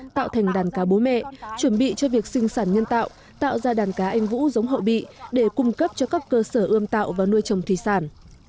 tạo thành đàn cá bố mẹ chuẩn bị cho việc sinh sản nhân tạo tạo ra đàn cá anh vũ giống hậu bị để cung cấp cho các cơ sở ươm tạo và nuôi trồng thủy sản